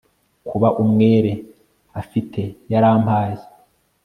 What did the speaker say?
Kuba umwere afite yarampaye